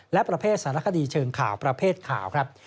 และประเภทสารคดีเชิงข่าวประเภทข่าวครับ